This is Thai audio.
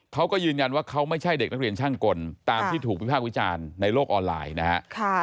เขาก็ยืนยันว่าเขาไม่ใช่เด็กนักเรียนช่างกลตามที่ถูกวิภาควิจารณ์ในโลกออนไลน์นะฮะ